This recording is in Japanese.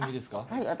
はい私。